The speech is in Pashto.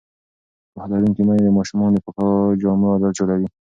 پوهه لرونکې میندې د ماشومانو د پاکو جامو عادت جوړوي.